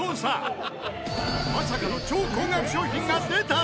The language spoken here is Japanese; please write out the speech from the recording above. まさかの超高額商品が出た！